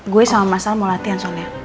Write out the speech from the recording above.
gue sama masal mau latihan soalnya